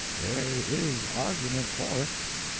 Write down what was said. There is argument for it.